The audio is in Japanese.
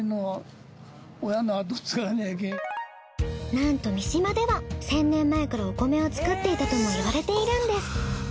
なんと見島では１，０００年前からお米を作っていたとも言われているんです。